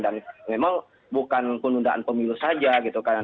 dan memang bukan penundaan pemilu saja gitu kan